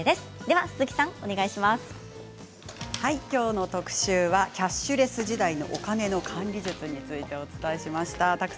きょうの特集はキャッシュレス時代の管理術についてお伝えしました。